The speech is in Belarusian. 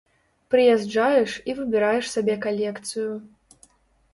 Прыязджаеш і выбіраеш сабе калекцыю.